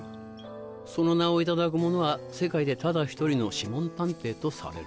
その名を頂く者は世界でただ一人の諮問探偵とされる。